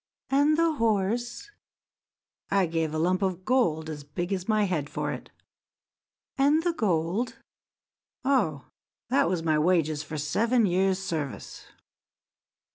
"And the horse?" "I gave a lump of gold as big as my head for it." "And the gold?" "Oh, that was my wages for seven years' service."